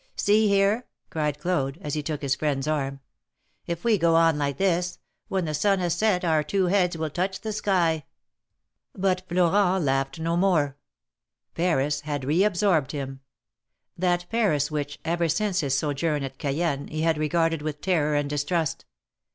See here !" cried Claude, as he took his friend^s arm. If we go on like this, when the sun has set our two heads will touch the sky !" 220 THE MAEKETS OF PAEIS, But Florent laughed no more. Paris had reabsorbed him. That Paris which, ever since his sojourn at Cayenne, he had regarded with terror and distrust.